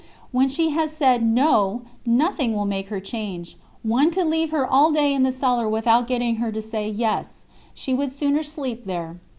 When she has said 'No,' nothing will make her change; one could leave her all day in the cellar without getting her to say 'Yes.' She would sooner sleep there."